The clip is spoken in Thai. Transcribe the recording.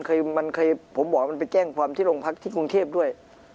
ผมบอกว่ามันเคยไปแจ้งความที่ลงพักที่กรุงเทพด้วย